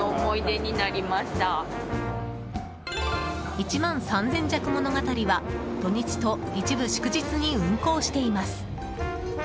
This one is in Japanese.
「一万三千尺物語」は土日と一部祝日に運行しています。